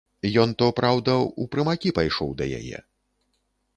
Ён то, праўда, у прымакі пайшоў да яе.